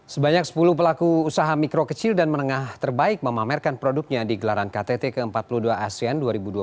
sebanyak sepuluh pelaku usaha mikro kecil dan menengah terbaik memamerkan produknya di gelaran ktt ke empat puluh dua asean dua ribu dua puluh tiga